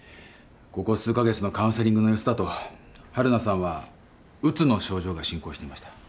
ここ数カ月のカウンセリングの様子だと晴汝さんはうつの症状が進行していました。